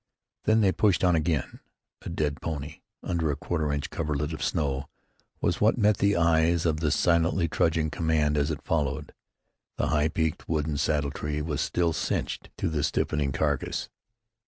Then they pushed on again. A dead pony, under a quarter inch coverlet of snow, was what met the eyes of the silently trudging command as it followed. The high peaked wooden saddle tree was still "cinched" to the stiffening carcass.